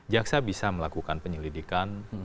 jaksa bisa melakukan penyelidikan